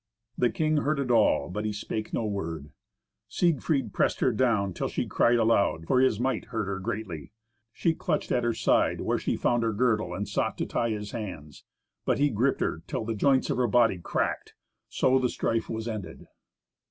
The king heard it all, but he spake no word. Siegfried pressed her down till she cried aloud, for his might hurt her greatly. She clutched at her side, where she found her girdle, and sought to tie his hands. But he gripped her till the joints of her body cracked. So the strife was ended.